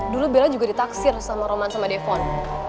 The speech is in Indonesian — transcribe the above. dulu bella juga ditaksir sama roman sama defon